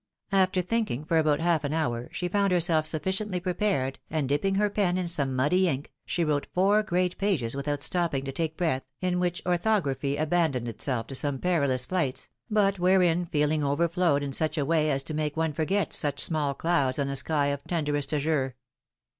After thinking for about half an hour, she found herself sufficiently prepared, and dipping her pen in some muddy ink, she wrote four great pages without stopping to take breath, in which orthography abandoned itself to some perilous flights, but wherein feeling overflowed in such a way as to make one forget such small clouds on a sky of tenderest azure.